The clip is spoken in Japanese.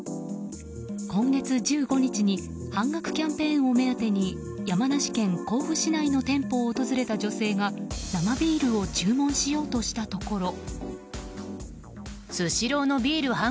今月１５日に半額キャンペーンを目当てに山梨県甲府市内の店舗を訪れた女性が生ビールを注文しようとしたところ。